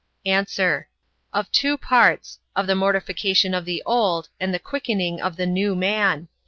A. Of two parts; of the mortification of the old, and the quickening of the new man.